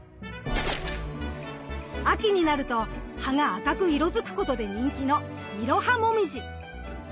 秋になると葉が赤く色づくことで人気のイロハモミジ。